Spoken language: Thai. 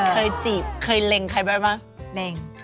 เคยจีบเคยเล็งใครบ้าง